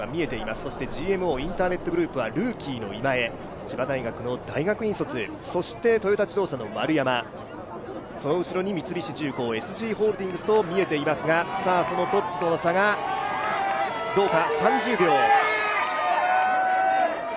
そしてＧＭＯインターネットグループはルーキーの今江、千葉大学の大学院卒、トヨタ自動車の丸山、その後ろに三菱重工、ＳＧホールディングスと見えていますが、トップとの差がどうか。